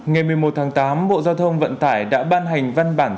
ngày một mươi một tháng tám bộ giao thông vận tải đã ban hành văn bản